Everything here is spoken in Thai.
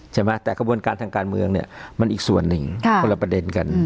ใช่ไหมแต่กระบวนการทางการเมืองเนี่ยมันอีกส่วนหนึ่งคนละประเด็นกัน